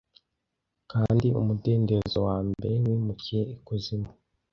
Kandi umudendezo wa mbere wimukiye ikuzimu,